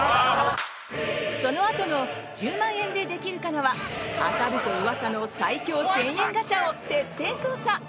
そのあとの「１０万円でできるかな」は当たると噂の最強１０００円ガチャを徹底捜査！